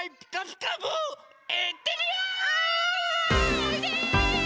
おいで！